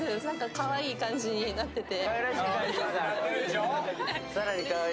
かわいい感じになってて。